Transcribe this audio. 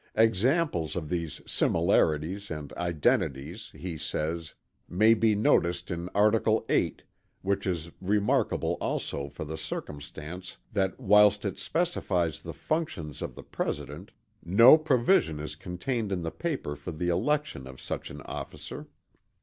"Examples" of these "similarities" and "identities" he says, "may be noticed in article VIII, which is remarkable also for the circumstance that whilst it specifies the functions of the President, no provision is contained in the paper for the election of such an officer."